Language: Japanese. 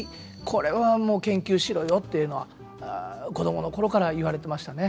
これは研究しろよっていうのは子供の頃から言われてましたね。